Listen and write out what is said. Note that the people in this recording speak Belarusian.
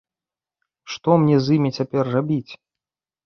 Што мне з імі цяпер рабіць?